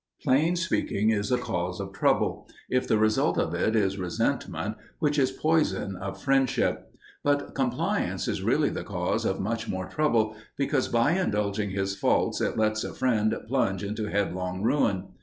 Plain speaking is a cause of trouble, if the result of it is resentment, which is poison of friendship; but compliance is really the cause of much more trouble, because by indulging his faults it lets a friend plunge into headlong ruin.